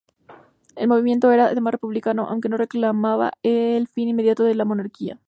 El movimiento era, además, republicano, aunque no reclamaba el fin inmediato de la monarquía.